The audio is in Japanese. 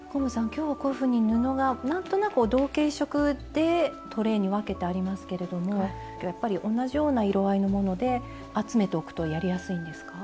今日はこういうふうに布がなんとなく同系色でトレーに分けてありますけれどもやっぱり同じような色合いのもので集めておくとやりやすいんですか？